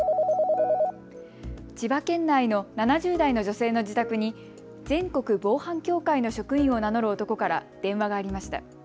千葉県内の７０代の女性の自宅に全国防犯協会の職員を名乗る男から電話がありました。